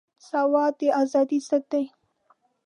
سود د ازادۍ ضد دی.